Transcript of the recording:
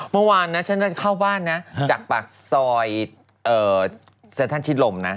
เมื่อวานนะฉันจะเข้าบ้านนะจากปากซอยเซ็นทันชิดลมนะ